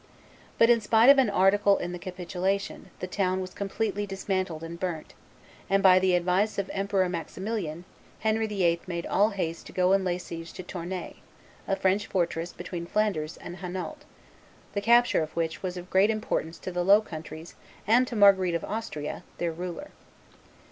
But, in spite of an article in the capitulation, the town was completely dismantled and burnt; and, by the advice of Emperor Maximilian, Henry VIII. made all haste to go and lay siege to Tournai, a French fortress between Flanders and Hainault, the capture of which was of great importance to the Low Countries and to Marguerite of Austria, their ruler.